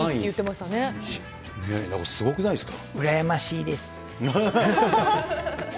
なんかすごくないですか？